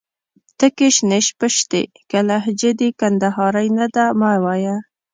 تکي شنې شپيشتي. که لهجه دي کندهارۍ نه ده مې وايه